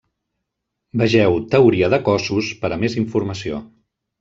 Vegeu teoria de cossos per a més informació.